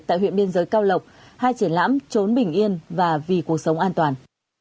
tại huyện biên giới cao lộc hai triển lãm trốn bình yên và vì cuộc sống an toàn